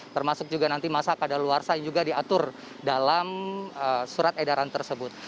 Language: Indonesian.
termasuk juga nanti masa kadar luar saya juga diatur dalam surat edaran tersebut